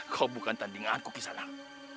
kau bukan tandinganku kisalang